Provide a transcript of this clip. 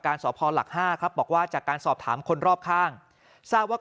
สพหลัก๕ครับบอกว่าจากการสอบถามคนรอบข้างทราบว่า